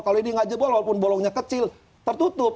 kalau ini nggak jebol walaupun bolongnya kecil tertutup